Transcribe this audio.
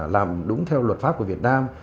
làm đúng theo luật pháp của việt nam